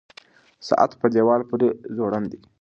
ساعت په دیوال پورې ځوړند دی.